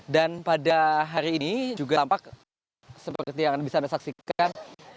dan pada hari ini juga tampak seperti yang bisa disaksikan